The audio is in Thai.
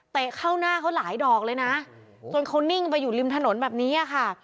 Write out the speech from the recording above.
เข้าหน้าเขาหลายดอกเลยนะจนเขานิ่งไปอยู่ริมถนนแบบนี้ค่ะ